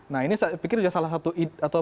nah ini saya pikir salah satu atau